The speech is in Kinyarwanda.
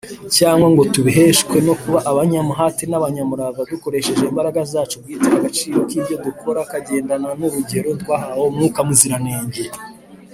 cyangwa ngo tubiheshwe no kuba abanyamuhati n’abanyamurava dukoresheje imbaraga zacu bwite agaciro k’ibyo dukora kagendana n’urugero twahaweho mwuka muziranenge